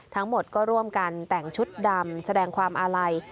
ทั้งหมดก็ร่วมกันแต่งชุดดำแสดงความอาลัย